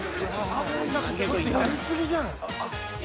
ちょっとやり過ぎじゃない？